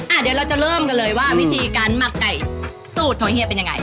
เดี๋ยวเราจะเริ่มกันเลยว่าวิธีการหมักไก่สูตรของเฮียเป็นยังไง